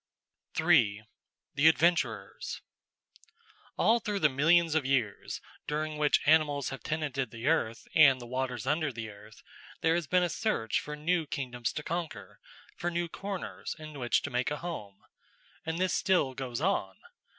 § 3 The Adventurers All through the millions of years during which animals have tenanted the earth and the waters under the earth, there has been a search for new kingdoms to conquer, for new corners in which to make a home. And this still goes on.